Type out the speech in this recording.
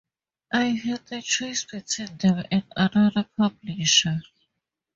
I had the choice between them and another publisher.